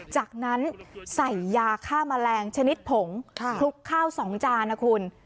จากนั้นใส่ยาฆ่าแมลงชนิดผงคลุกข้าว๒จานนะคุณ